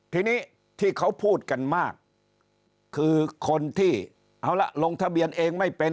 ทีนี้ที่เขาพูดกันมากคือคนที่เอาละลงทะเบียนเองไม่เป็น